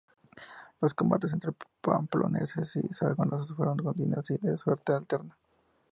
Los combates entre pamploneses y zaragozanos fueron continuos, y de suerte alterna.